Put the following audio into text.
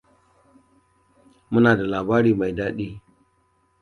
Muna da labari mai daɗi.